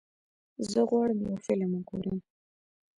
زه غواړم یو فلم وګورم.